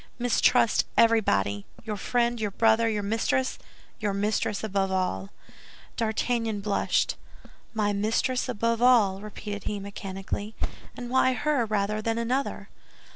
Mistrust everybody, your friend, your brother, your mistress—your mistress above all." D'Artagnan blushed. "My mistress above all," repeated he, mechanically; "and why her rather than another?"